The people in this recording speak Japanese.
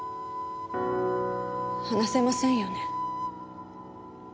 話せませんよね。